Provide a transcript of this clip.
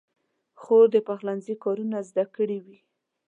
خور د پخلنځي کارونه زده کړي وي.